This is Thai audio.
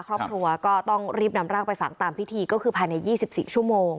ครอบครัวก็ต้องรีบนำร่างไปฝังตามพิธีก็คือภายใน๒๔ชั่วโมง